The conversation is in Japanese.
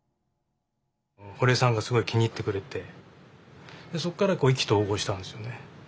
堀江さんがすごい気に入ってくれてそこから意気投合したんですよね。